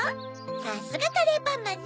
さすがカレーパンマンね！